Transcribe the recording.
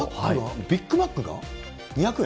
ビッグマックが２００円？